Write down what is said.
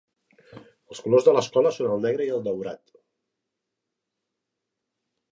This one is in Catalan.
Els colors de l'escola són el negre i el daurat.